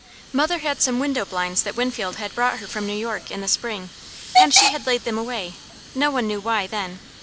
Mother had some window blinds that Winfield had brought her from New York in the spring, and she had laid them away; no one knew why, then.